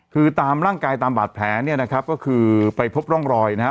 คือตามร่างกายตามบาดแผลเนี่ยนะครับก็คือไปพบร่องรอยนะครับ